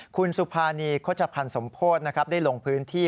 คุณสุพรณีโคจภัณฑ์สมโพธได้ลงพื้นที่